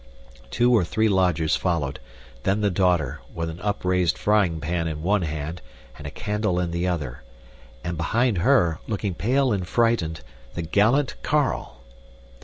Two or three lodgers followed; then the daughter, with an upraised frying pan in one hand and a candle in the other; and behind her, looking pale and frightened, the gallant Carl!